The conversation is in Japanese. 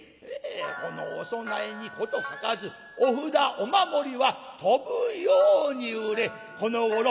このお供えに事欠かずお札お守りは飛ぶように売れこのごろ